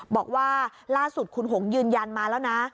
บอกว่าล่าสุดคุณหงยืนยันมาแล้วนะ